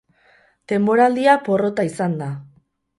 Denboraldia porrota izan da.